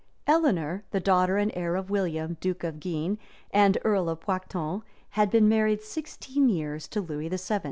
Eleanor, the daughter and heir of William, duke of Guienne, and earl of Poictou, had been married sixteen years to Lewis VII.